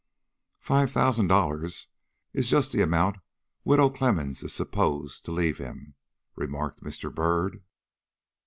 "Five thousand dollars is just the amount Widow Clemmens is supposed to leave him," remarked Mr. Byrd.